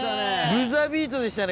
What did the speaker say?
ブザービートでしたね